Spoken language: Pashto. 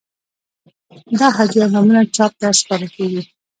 دا هجویه معمولاً چاپ ته سپارل کیږی.